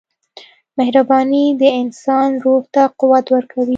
• مهرباني د انسان روح ته قوت ورکوي.